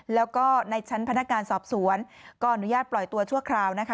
แล้วก็ในชั้นพนักงานสอบสวนก็อนุญาตปล่อยตัวชั่วคราวนะคะ